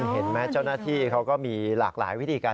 เห็นไหมเจ้าหน้าที่เขาก็มีหลากหลายวิธีการ